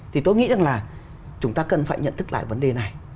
thì tôi nghĩ rằng là chúng ta cần phải nhận thức lại vấn đề này